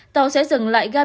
tàu sẽ dừng lại gà biên hòa